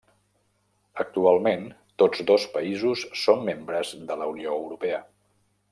Actualment tots dos països són membres de la Unió Europea.